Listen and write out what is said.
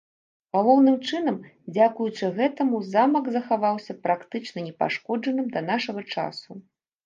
Галоўным чынам, дзякуючы гэтаму замак захаваўся практычна непашкоджаным да нашага часу.